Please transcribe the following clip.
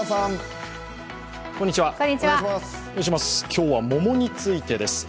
今日は桃についてです。